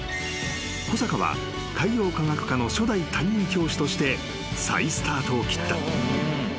［小坂は海洋科学科の初代担任教師として再スタートを切った］